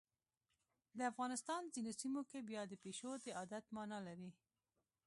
د افغانستان ځینو سیمو کې بیا د پیشو د عادت مانا لري.